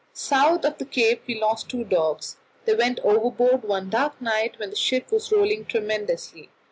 South of the Cape we lost two dogs; they went overboard one dark night when the ship was rolling tremendously.